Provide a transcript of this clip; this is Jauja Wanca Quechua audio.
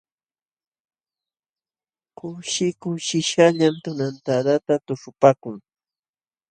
Kushi kushishqallam tunantadata tuśhupaakun.